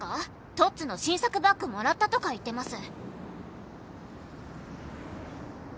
「トッズの新作バッグもらったとか言ってます！」